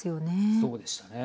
そうでしたね。